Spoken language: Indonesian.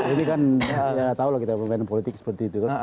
ini kan ya nggak tahu lah kita pemain politik seperti itu kan